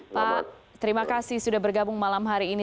pak terima kasih sudah bergabung malam hari ini